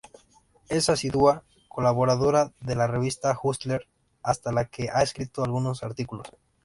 Es asidua colaboradora de la revista "Hustler", para la que ha escrito algunos artículos.